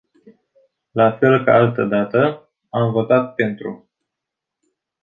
La fel ca altădată, am votat pentru.